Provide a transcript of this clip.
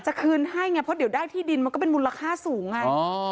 คืนให้ไงเพราะเดี๋ยวได้ที่ดินมันก็เป็นมูลค่าสูงไง